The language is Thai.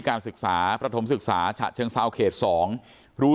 การศึกษาประถมศึกษาฉะเชิงเซาเขต๒รู้